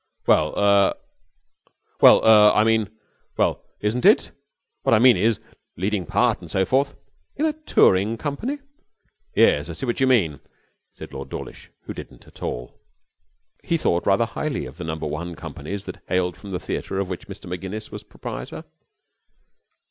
'Well er what I mean well, isn't it? What I mean is, leading part, and so forth.' 'In a touring company?' 'Yes, I see what you mean,' said Lord Dawlish, who didn't at all. He thought rather highly of the number one companies that hailed from the theatre of which Mr Maginnis was proprietor.